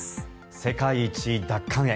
世界一奪還へ。